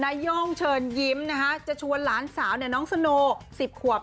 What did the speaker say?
นาย่องเชิญยิ้มนะคะจะชวนหลานสาวเนี่ยน้องสโน๑๐ขวบ